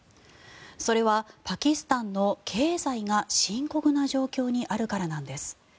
それはパキスタンの経済が深刻な状況にあるからなんです。